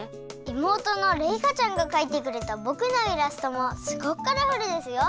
妹のれいかちゃんがかいてくれたぼくのイラストもすごくカラフルですよ！